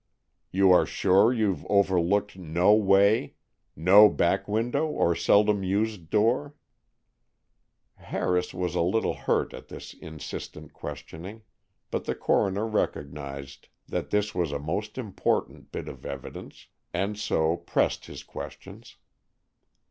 "You are sure you've overlooked no way? No back window, or seldom used door?" Harris was a little hurt at this insistent questioning, but the coroner recognized that this was a most important bit of evidence, and so pressed his questions.